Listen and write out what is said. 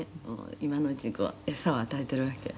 今のうちにこう餌を与えてるわけよ」